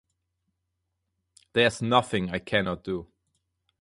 There is nothing I cannot do.